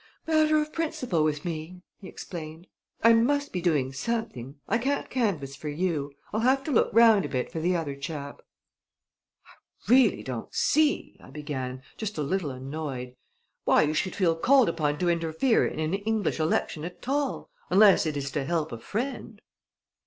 "Matter of principle with me!" he explained. "I must be doing something. I can't canvass for you. I'll have to look round a bit for the other chap." "I really don't see," I began, just a little annoyed, "why you should feel called upon to interfere in an English election at all, unless it is to help a friend."